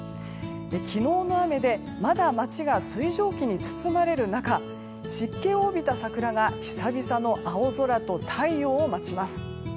昨日の雨でまだ街が水蒸気に包まれる中湿気を帯びた桜が久々の青空と太陽を待ちます。